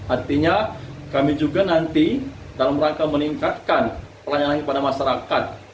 artinya kami juga nanti dalam rangka meningkatkan pelayanan kepada masyarakat